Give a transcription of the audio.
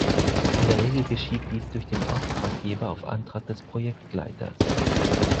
In der Regel geschieht dies durch den Auftraggeber auf Antrag des Projektleiters.